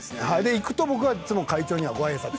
行くと僕はいつも会長にはご挨拶に行くんです。